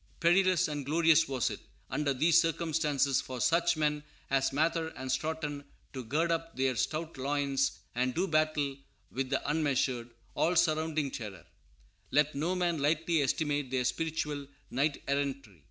Perilous and glorious was it, under these circumstances, for such men as Mather and Stoughton to gird up their stout loins and do battle with the unmeasured, all surrounding terror. Let no man lightly estimate their spiritual knight errantry.